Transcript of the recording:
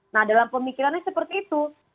nah dalam pemikirannya seperti itu